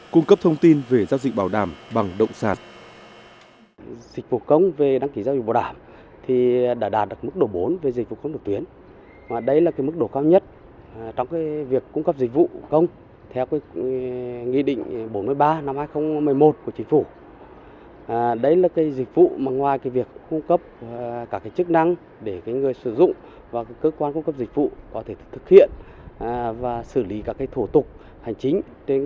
cung cấp thông tin về giao dịch bảo đảm bằng động sản